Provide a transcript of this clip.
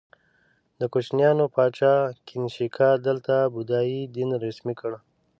د کوشانیانو پاچا کنیشکا دلته بودايي دین رسمي کړ